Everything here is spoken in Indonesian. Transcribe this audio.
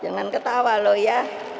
jangan ketawa loh ya